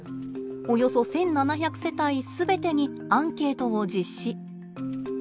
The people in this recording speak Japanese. およそ１，７００世帯全てにアンケートを実施。